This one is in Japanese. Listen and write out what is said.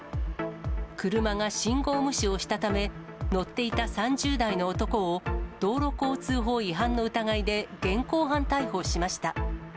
車が信号無視をしたため、乗っていた３０代の男を、道路交通法違反の疑いで現行犯逮捕しました。